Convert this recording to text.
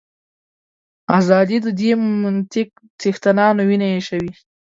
ازادي د دې منطق څښتنانو وینه ایشوي.